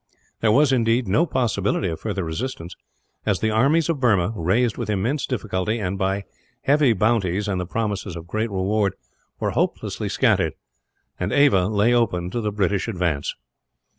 There was, indeed, no possibility of further resistance; as the armies of Burma, raised with immense difficulty and by heavy bounties and the promises of great reward, were hopelessly scattered, and Ava lay open to the British advance.